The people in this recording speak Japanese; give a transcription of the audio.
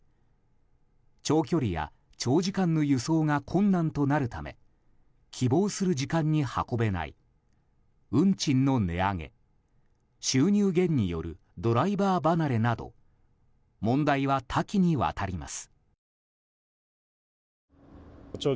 長距離や長時間の輸送が困難となるため希望する時間に運べない運賃の値上げ収入減によるドライバー離れなど問題は多岐にわたります。